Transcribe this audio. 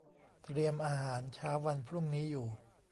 เตรียมอาหารเช้าวันพรุ่งนี้อยู่